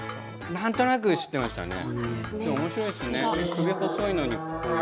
なんとなく知っていました低い声で。